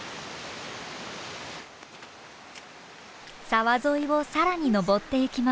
沢沿いを更に登ってゆきます。